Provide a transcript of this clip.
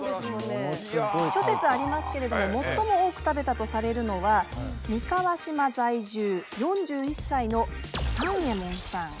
諸説ありますけれども最も多く食べたとされるのは三河島在住４１歳の三右衛門さん。